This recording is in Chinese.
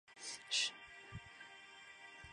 尾鳍及尾柄部有蓝色斑纹。